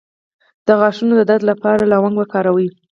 د غاښونو د درد لپاره لونګ وکاروئ